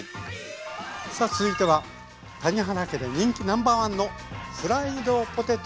さあ続いては谷原家で人気ナンバーワンのフライドポテト。